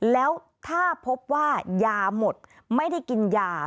แล้วถ้าพบว่ายาหมดไม่ได้กินยา